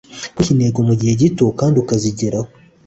Kwiha intego mu gihe gito kandi ukazigeraho.